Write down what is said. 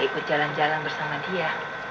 ikut jalan jalan bersama dia